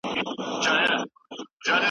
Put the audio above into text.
پښتنو او یهودي قومونو ترمنځ هيڅ د